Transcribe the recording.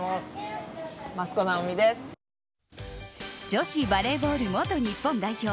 女子バレーボール元日本代表